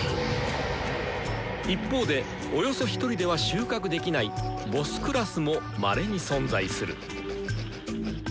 一方でおよそ一人では収穫できない頭級もまれに存在する。